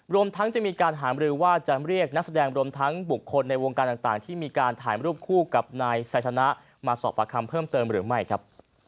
รวมทั้งจะมีการหามรือว่าจะเรียกนักแสดงรวมทั้งบุคคลในวงการต่างที่มีการถ่ายรูปคู่กับนายไซสนะมาสอบประคำเพิ่มเติมหรือไม่ครับ